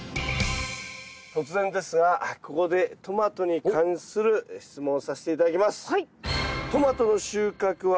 突然ですがここでトマトに関する質問をさせて頂きます。